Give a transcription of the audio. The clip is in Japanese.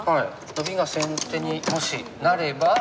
ノビが先手にもしなれば？